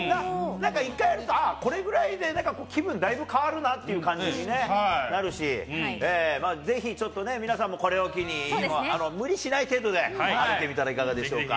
なんか１回やると、あ、これぐらいでなんか気分だいぶ変わるなっていう感じになるし、ぜひちょっとね、皆さんもこれを機に、無理しない程度で歩いてみたらいかがでしょうか。